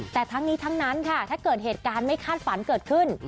แต่ทั้งนี้ทั้งนั้นค่ะถ้าเกิดเหตุการณ์ไม่คาดฝันเกิดขึ้น